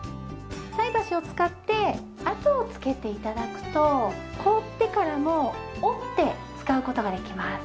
菜箸を使って跡をつけて頂くと凍ってからも折って使う事ができます。